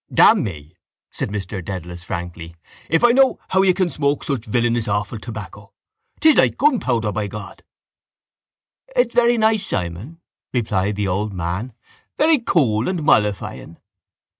—Damn me, said Mr Dedalus frankly, if I know how you can smoke such villainous awful tobacco. It's like gunpowder, by God. —It's very nice, Simon, replied the old man. Very cool and mollifying.